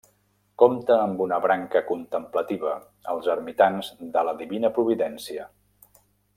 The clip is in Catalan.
Compta amb una branca contemplativa, els Ermitans de la Divina Providència.